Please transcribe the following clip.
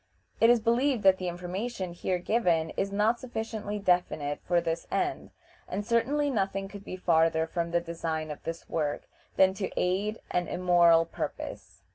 It is believed that the information here given is not sufficiently definite for this end, and, certainly, nothing could be farther from the design of this work than to aid an immoral purpose.